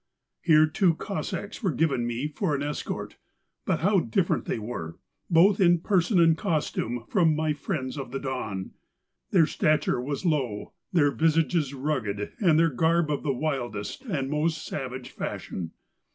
Here two Cossacks were given me for an escort; but how dif¬ ferent were they, both in person and costume, from my friends of the Don I Their stature was low, their visages rTfgged, and their garb of the wildest and most savage fashion.